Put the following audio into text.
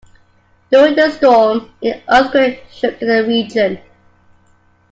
During the storm, an earthquake shook the region.